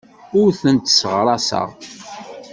Ur tent-sseɣraseɣ.